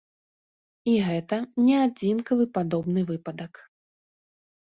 І гэта не адзінкавы падобны выпадак.